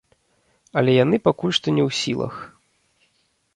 Але яны пакуль што не ў сілах.